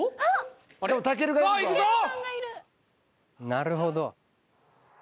なるほど。